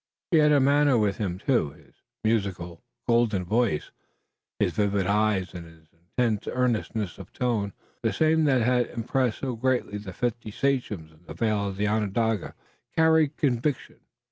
He had a manner with him, too. His musical, golden voice, his vivid eyes and his intense earnestness of tone, the same that had impressed so greatly the fifty sachems in the vale of Onondaga, carried conviction.